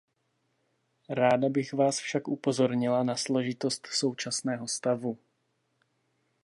Ráda bych vás však upozornila na složitost současného stavu.